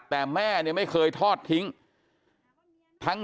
แต่แม่ไม่เคยทอดทิ้ง